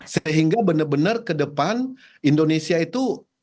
sehingga benar benar kedepan indonesia itu